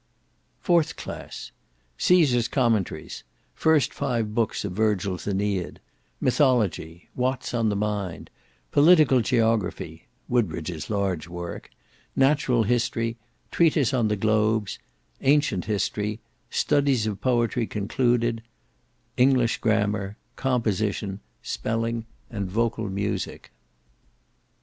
Fourth Class Caesar's Commentaries; first five books of Virgil's Aeneid; Mythology; Watts on the Mind; Political Geography, (Woodbridge's large work); Natural History; Treatise on the Globes; Ancient History; Studies of Poetry concluded; English Grammar, Composition, Spelling, and Vocal Music.